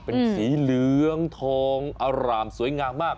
เป็นสีเหลืองทองอร่ามสวยงามมาก